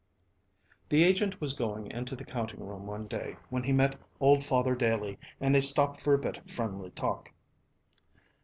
The agent was going into the counting room one day when he met old Father Daley and they stopped for a bit of friendly talk.